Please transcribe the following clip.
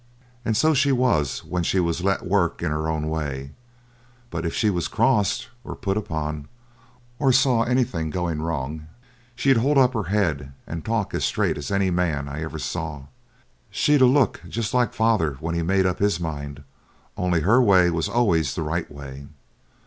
And so she was when she was let work in her own way, but if she was crossed or put upon, or saw anything going wrong, she'd hold up her head and talk as straight as any man I ever saw. She'd a look just like father when he'd made up his mind, only her way was always the right way.